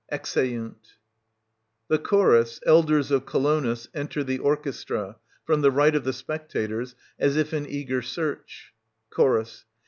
{^ExeunL The Chorus (elders of Colonus) enter the orchestra^ from the right of the spectators y as if in eager search. Chorus.